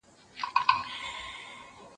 زه پرون د سبا لپاره د سوالونو جواب ورکوم!!